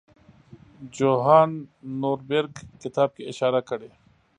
جوهان نوربیرګ کتاب کې اشاره کړې.